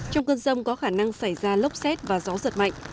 trong cơn rông có khả năng xảy ra lốc xét và gió giật mạnh